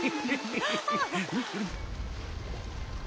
ハハハハ。